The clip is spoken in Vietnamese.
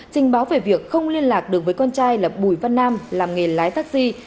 trình báo về việc không liên lạc được với con trai là bùi văn nam làm nghề lái taxi